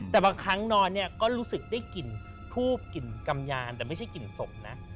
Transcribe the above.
แต่บางครั้งนอนเนี่ยก็รู้สึกได้กลิ่นทูบกลิ่นกำยานแต่ไม่ใช่กลิ่นศพนะ